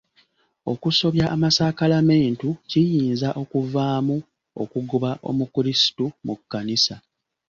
Okusobya amasakalamentu kiyinza okuvaamu okugoba omukrisitu mu kkanisa.